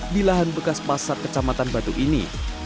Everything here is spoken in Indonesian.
di lahan bekas pasar kecamatan batu ini